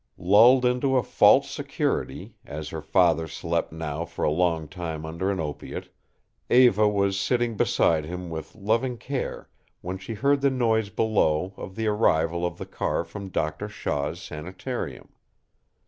Lulled into a false security, as her father slept now for a time under an opiate, Eva was sitting beside him with loving care when she heard the noise below of the arrival of the car from Doctor Shaw's sanitarium.